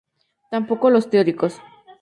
Tampoco los teóricos.